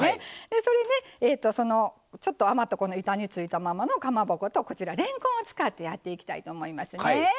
それに、ちょっと余った板についたままのかまぼことこちら、れんこんを使ってやっていきたいと思いますね。